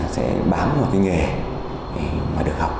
sẽ bám vào nghề mà được học